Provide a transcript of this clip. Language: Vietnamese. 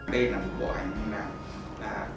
đây là một bộ ảnh